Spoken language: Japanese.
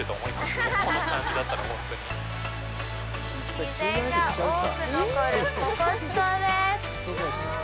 自然が多く残るココス島です。